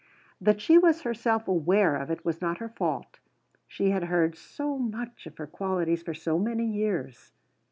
That she was herself aware of it was not her fault. She had heard so much of her qualities for so many years.